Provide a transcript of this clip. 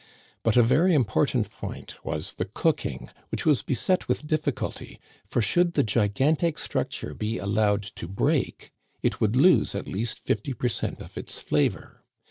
But a very im[>ortant point was the cooking, which was beset with difficulty ; for should the gigantic structure be allowed to break, it would lose at least fifty per cent of its flavor.